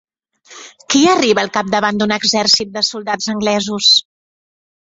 Qui arriba al capdavant d'un exèrcit de soldats anglesos?